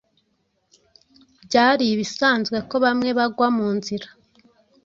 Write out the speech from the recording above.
byari ibisanzwe ko bamwe bagwa mu nzira,